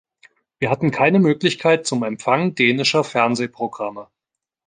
Wir hatten keine Möglichkeit zum Empfang dänischer Fernsehprogramme.